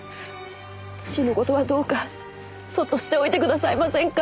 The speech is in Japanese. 父の事はどうかそっとしておいてくださいませんか。